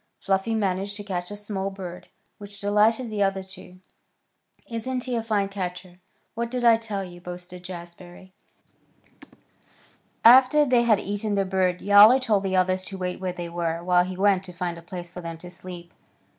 Fluffy managed to catch a small bird, which delighted the other two. "Isn't he a fine catcher? What did I tell you?" boasted Jazbury. After they had eaten the bird Yowler told the others to wait where they were, while he went on to find a place for them to sleep.